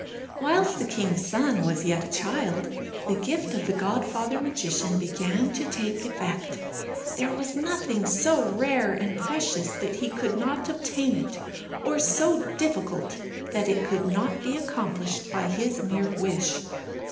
Whilst the king's son was yet a child, the gift of the godfather magician began to take effect. There was nothing so rare and precious that he could not obtain it, or so difficult that it could not be accomplished by his mere wish.